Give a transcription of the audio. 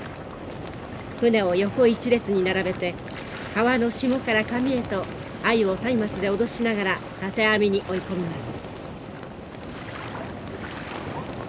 舟を横一列に並べて川の下から上へとアユをたいまつで脅しながら建て網に追い込みます。